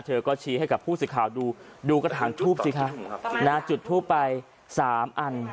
เธอก็ชี้ให้กับผู้สื่อข่าวดูดูกระถางทูบสิคะนะจุดทูปไป๓อัน